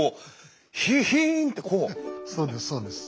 そうですそうです。